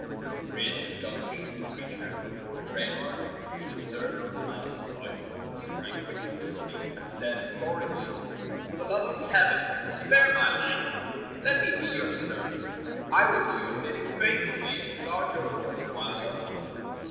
He raised his gun to shoot the creature, but 90 Fairy Tale Foxes Reynard, who had observed what the man was about, sprang quickly to his feet and said imploringly: ^'For the love of Heaven, spare my life ! Let me be your servant. I will do your bidding faithfully and will guard your horse while you are hunting."